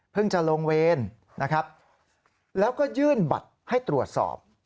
เพิ่งจะลงเวนแล้วก็ยื่นบัตรให้ตรวจสอบ